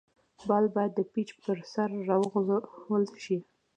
بال باید د پيچ پر سر راوغورځول سي.